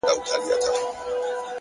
د نظم ځواک ژوند منظموي!